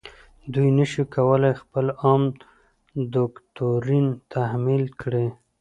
دوی نشي کولای خپل عام دوکتورین تحمیل کړي.